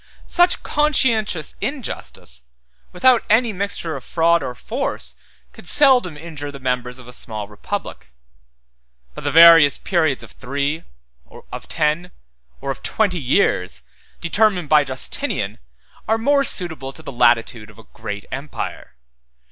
140 Such conscientious injustice, without any mixture of fraud or force could seldom injure the members of a small republic; but the various periods of three, of ten, or of twenty years, determined by Justinian, are more suitable to the latitude of a great empire.